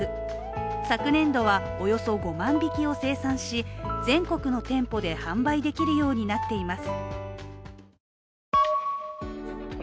昨年度はおよそ５万匹を生産し全国の店舗で販売できるようになっています。